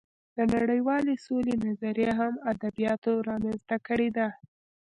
د نړۍوالې سولې نظریه هم ادبیاتو رامنځته کړې ده